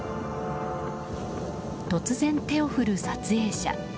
突然、手を振る撮影者。